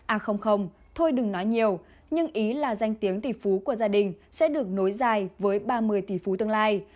à không không thôi đừng nói nhiều nhưng ý là danh tiếng tỷ phú của gia đình sẽ được nối dài với ba mươi tỷ phú tương lai